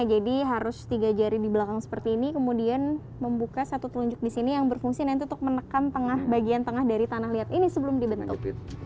jadi harus tiga jari di belakang seperti ini kemudian membuka satu telunjuk di sini yang berfungsi untuk menekan bagian tengah dari tanah liat ini sebelum dibentuk